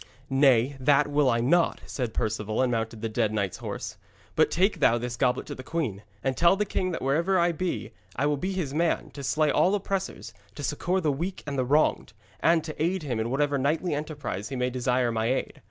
'Nay, that will I not,' said Perceval, and mounted the dead knight's horse. 'But take thou this goblet to the queen, and tell the king that wherever I be, I will be his man, to slay all oppressors, to succour the weak and the wronged, and to aid him in whatever knightly enterprise he may desire my aid.